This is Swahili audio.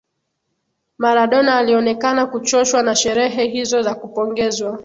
Maradona alionekana kuchoshwa na sherehe hizo za kupongezwa